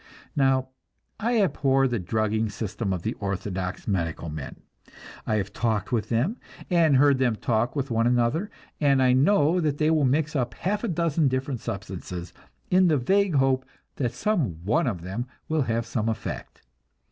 Now, I abhor the drugging system of the orthodox medical men; I have talked with them, and heard them talk with one another, and I know that they will mix up half a dozen different substances, in the vague hope that some one of them will have some effect.